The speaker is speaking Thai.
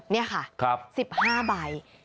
๒๓๓๘๓๐เนี่ยค่ะ๑๕ใบ